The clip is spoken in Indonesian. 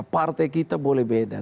partai kita boleh beda